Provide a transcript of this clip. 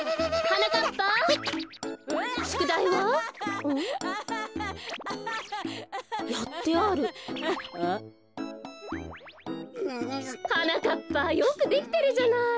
はなかっぱよくできてるじゃない。